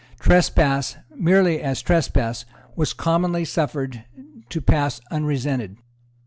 Trespass, merely as trespass, was commonly suffered to pass unresented.